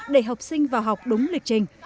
để học sinh vào học đúng lịch trình